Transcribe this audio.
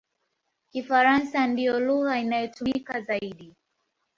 Kifaransa ndiyo lugha inayotumika zaidi.